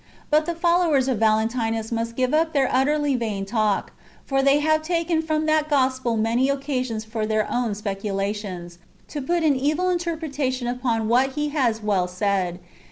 But the followers of Valentinus must give up their utterly vain talk ; for they have taken from that [Gospel] many occasions for their own speculations, to put an evil interpretation upon what he has well said.